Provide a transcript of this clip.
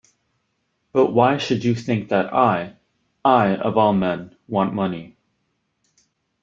But why should you think that I — I, of all men — want money?